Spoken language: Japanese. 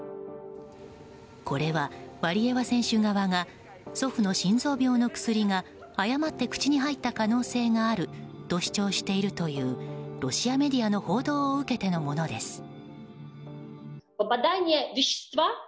これは、ワリエワ選手側が祖父の心臓病の薬が誤って口に入った可能性があると主張しているというロシアメディアの報道を受けてのものです。